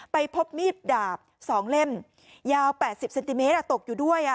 ไปพบมีดดาบ๒เล่มยาว๘๐เซนติเมตรตกอยู่ด้วย